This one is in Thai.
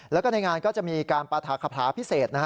แล้วก็ในงานก็จะมีการปราธาขภาพิเศษ